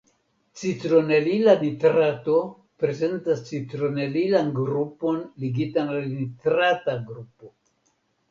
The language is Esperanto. Citronelila nitrato prezentas citronelilan grupon ligitan al nitrata grupo.